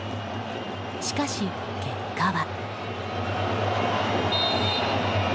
しかし、結果は。